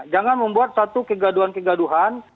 jangan membuat satu kegaduhan kegaduhan